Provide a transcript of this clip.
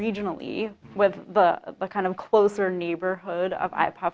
dengan kawasan yang lebih dekat dari para penonton ipaf